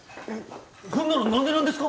ほんなら何でなんですか？